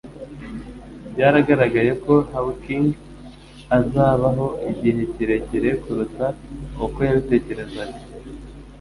Byaragaragaye ko Hawking azabaho igihe kirekire kuruta uko yabitekerezaga.